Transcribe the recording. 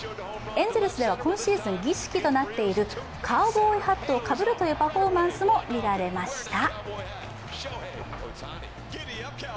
エンゼルスでは今シーズン儀式となっているカウボーイハットをかぶるというパフォーマンスも見られました。